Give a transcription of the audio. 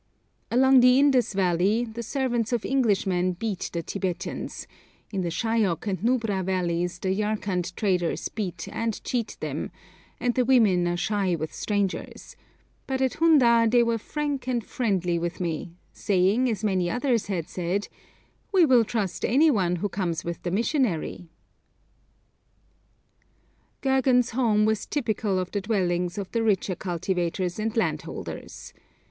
Along the Indus valley the servants of Englishmen beat the Tibetans, in the Shayok and Nubra valleys the Yarkand traders beat and cheat them, and the women are shy with strangers, but at Hundar they were frank and friendly with me, saying, as many others had said, 'We will trust any one who comes with the missionary.' Gergan's home was typical of the dwellings of the richer cultivators and landholders.